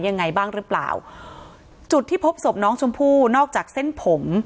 ยังไงบ้างหรือเปล่าจุดที่พบศพน้องชมพู่นอกจากเส้นผม